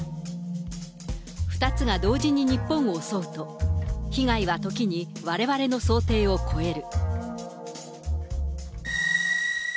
２つが同時に日本を襲うと、被害は時に、われわれの想定を超える。